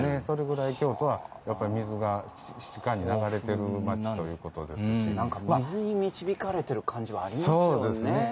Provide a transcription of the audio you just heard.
それぐらい京都はやっぱり水が地下に流れてる町ということですしなんか水に導かれてる感じはありますよね